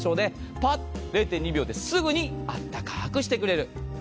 パッて０．２秒ですぐにあったかくしてくれる。